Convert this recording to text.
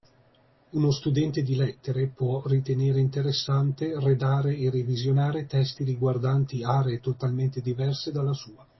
Uno studente di Lettere può ritenere interessante redare e revisionare testi riguardanti aree totalmente diverse dalla sua